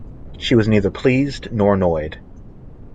She was neither pleased nor annoyed.